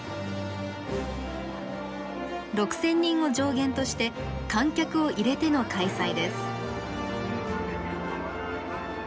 ６，０００人を上限として観客を入れての開催です。